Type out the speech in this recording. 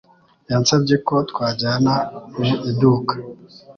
Yansabye ko twajyana mu iduka.